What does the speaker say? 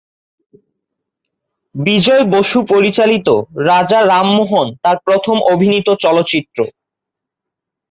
বিজয় বসু পরিচালিত "রাজা রামমোহন" তার প্রথম অভিনীত চলচ্চিত্র।